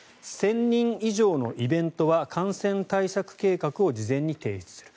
１０００人以上のイベントは感染対策計画を事前に提出する。